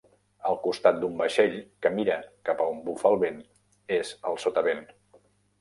El costat d'un vaixell que mira cap on bufa el vent és el sotavent.